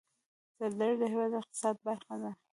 زردالو د هېواد د اقتصاد برخه ده.